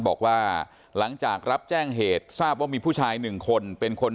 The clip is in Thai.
บอกว่าหลังจากรับแจ้งเหตุทราบว่ามีผู้ชายหนึ่งคนเป็นคน